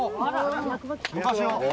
昔の。